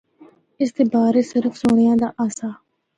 اس دے بارے صرف سنڑیا دا آسا۔